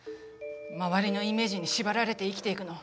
周りのイメージに縛られて生きていくの。